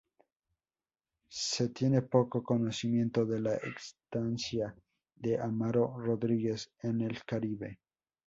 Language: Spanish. Se tiene poco conocimiento de la estancia de Amaro Rodríguez en el Caribe.